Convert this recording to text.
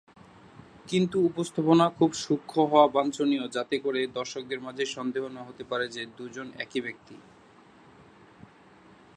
কিন্তু উপস্থাপনা খুব সূক্ষ্ম হওয়া বাঞ্ছনীয় যাতে করে দর্শকদের মাঝে সন্দেহ না হতে পারে যে দুজন একই ব্যক্তি।